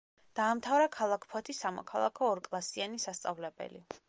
დაამთავრა ქალაქ ფოთის სამოქალაქო ორკლასიანი სასწავლებელი.